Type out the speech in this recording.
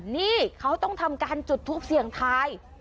นี่เขาต้องทำการจุดทูปเสี่ยงทาย